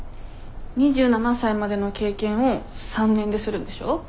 ２７歳までの経験を３年でするんでしょ？